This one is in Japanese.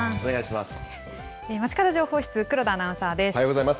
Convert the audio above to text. まちかど情報室、黒田アナウンサーです。